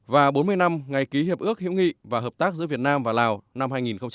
và bốn mươi năm ngày ký hiệp ước hữu nghị và hợp tác giữa việt nam và lào năm hai nghìn một mươi chín